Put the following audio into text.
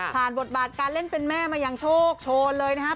บทบาทการเล่นเป็นแม่มาอย่างโชคโชนเลยนะครับ